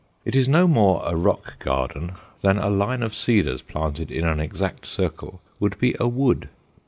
It is no more a rock garden than a line of cedars planted in an exact circle would be a wood.